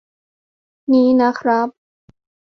นี้นะครับ